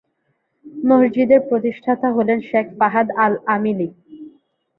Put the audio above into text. মসজিদের প্রতিষ্ঠাতা হলেন শেখ ফাহাদ আল-আমেলি।